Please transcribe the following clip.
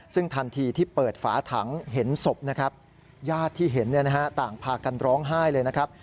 ซึ่งทันทีที่เปิดฝาถังเห็นศพนะครับญาติที่เห็นต่างพากันร้องไห้เลยนะครับ